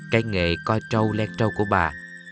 cái nghệ coi trâu len trâu của bà là một lần đầu tiên